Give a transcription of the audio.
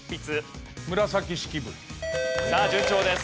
さあ順調です。